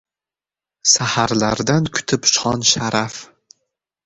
Saharlardan kutib shon-sharaf